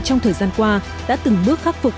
trong thời gian qua đã từng bước khắc phục